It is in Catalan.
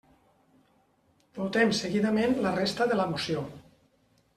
Votem seguidament la resta de la moció.